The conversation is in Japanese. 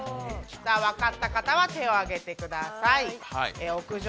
分かった方は手を上げてください。